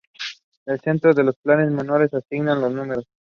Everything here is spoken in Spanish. El Centro de Planetas Menores asignará los números.